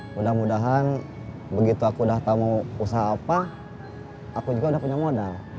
mudah mudahan begitu aku udah tahu usaha apa aku juga udah punya modal